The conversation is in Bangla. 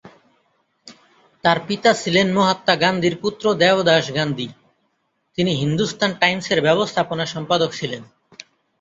তার পিতা ছিলেন মহাত্মা গান্ধীর পুত্র দেবদাস গান্ধী, তিনি "হিন্দুস্তান টাইমসের" ব্যবস্থাপনা সম্পাদক ছিলেন।